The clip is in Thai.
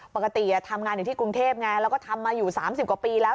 ปกติทำงานอยู่ที่กรุงเทพไงแล้วก็ทำมาอยู่๓๐กว่าปีแล้ว